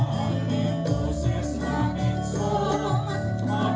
damai bisa dari kota sekarang